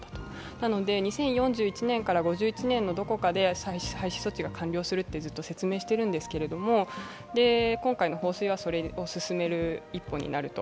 なので２０４１年から５１年のどこかで廃止措置が完了するってずっと説明しているんですけれども、今回の放水はそれを進める一歩になると。